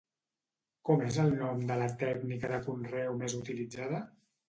Com és el nom de la tècnica de conreu més utilitzada?